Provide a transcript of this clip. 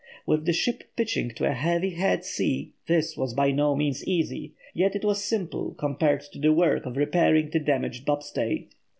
With the ship pitching to a heavy head sea, this was by no means easy, yet it was simple compared to the work of repairing the damaged bobstay.